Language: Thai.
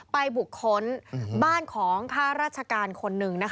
บุคคลบ้านของข้าราชการคนหนึ่ง